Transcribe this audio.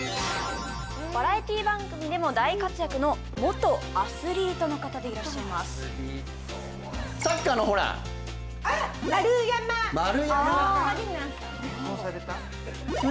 バラエティ番組でも大活躍の元アスリートの方でいらっしゃいます結婚された？